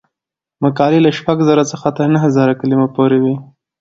مقالې له شپږ زره څخه تر نهه زره کلمو پورې وي.